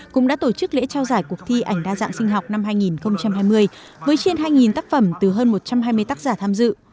cũng đã tổ chức lễ trao giải cuộc thi ảnh đa dạng sinh học năm hai nghìn hai mươi với trên hai tác phẩm từ hơn một trăm hai mươi tác giả tham dự